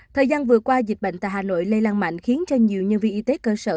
thời gian vừa qua dịch bệnh tại hà nội lây lan mạnh khiến cho nhiều nhân viên y tế cơ sở